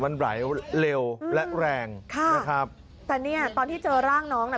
มันไหลเร็วและแรงค่ะนะครับแต่เนี่ยตอนที่เจอร่างน้องน่ะ